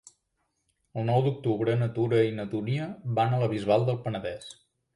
El nou d'octubre na Tura i na Dúnia van a la Bisbal del Penedès.